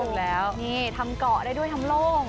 นี่ทำเกาะได้ด้วยทำโล่ง